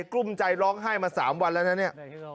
กลุ้มใจร้องไห้มาสามวันแล้วนี่